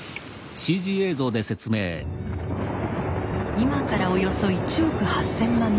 今からおよそ１億８，０００万年前